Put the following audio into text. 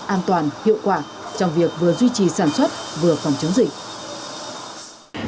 an toàn hiệu quả trong việc vừa duy trì sản xuất vừa phòng chống dịch